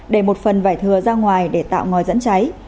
để một phần vải thừa ra ngoài để tạo ngòi dẫn cháy